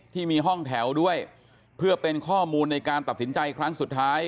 ที่มีห้องแถวด้วยเพื่อเป็นข้อมูลในการตัดสินใจครั้งสุดท้าย